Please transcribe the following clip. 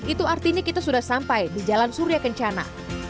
itu artinya kita sudah sampai di jalan surya kencana